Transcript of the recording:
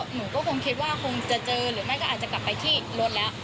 หนูก็คงคิดว่าคงจะเจอหรือไม่ก็อาจจะกลับไปที่รถแล้ว